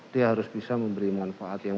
dia harus bisa memberi manfaat yang